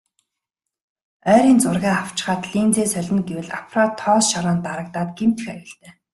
Ойрын зургаа авчхаад линзээ солино гэвэл аппарат тоос шороонд дарагдаад гэмтэх аюултай.